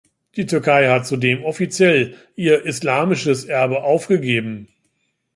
Die Türkei hat zudem offiziell ihr islamisches Erbe aufgegeben.